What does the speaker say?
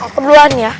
aku duluan ya